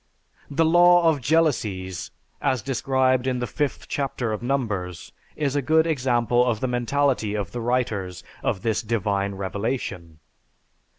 The "law of jealousies" as described in the 5th chapter of Numbers is a good example of the mentality of the writers of this "divine revelation."